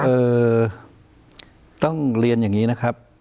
เอ่อต้องเรียนอย่างนี้นะครับ